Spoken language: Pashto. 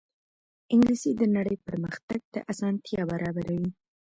انګلیسي د نړۍ پرمخ تګ ته اسانتیا برابروي